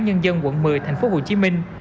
nhân dân quận một mươi thành phố hồ chí minh